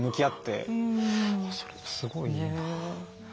それすごいいいな。